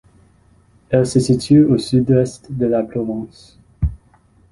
Elle se situe au sud-ouest de la province.